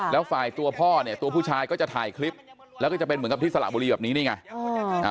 แล้วฝ่ายตัวพ่อเนี่ยตัวผู้ชายก็จะถ่ายคลิปแล้วก็จะเป็นเหมือนกับที่สระบุรีแบบนี้นี่ไง